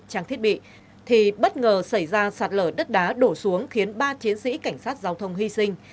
trang thiết bị thì bất ngờ xảy ra sạt lở đất đá đổ xuống khiến ba chiến sĩ cảnh sát giao thông hy sinh